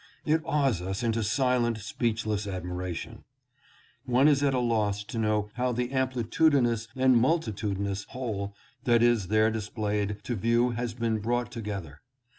It awes us into silent, speechless admiration. One is at a loss to know how the amplitudinous and multitudinous whole that is there displayed to view has been brought together.